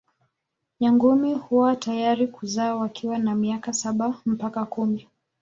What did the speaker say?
Nyangumi huwa tayari kuzaa wakiwa na miaka saba mpaka kumi.